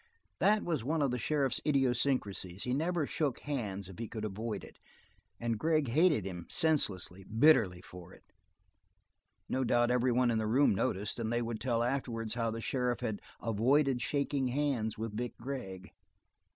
That was one of the sheriff's idiosyncrasies; he never shook hands if he could avoid it, and Gregg hated him senselessly, bitterly, for it. No doubt every one in the room noticed, and they would tell afterwards how the sheriff had avoided shaking hands with Vic Gregg.